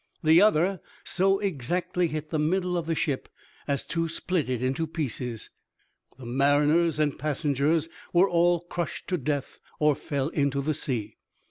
The other so exactly hit the middle of the ship as to split it into pieces. The mariners and passengers were all crushed to death, or fell into the sea.